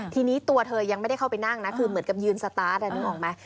ทีนี้ตัวเธอยังไม่ได้เข้าไปนั่งนะคือเหมือนกับยืนสตาร์ทนึกออกไหม